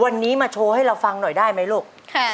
วันนี้มาโชว์ให้เราฟังหน่อยได้ไหมลูก